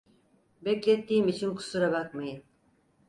Beklettiğim için kusura bakmayın.